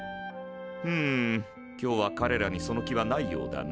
ふむ今日はかれらにその気はないようだな。